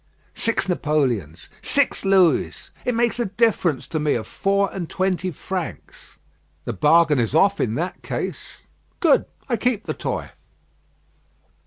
"Six Napoleons." "Six Louis. It makes a difference to me of four and twenty francs." "The bargain is off in that case." "Good: I keep the toy."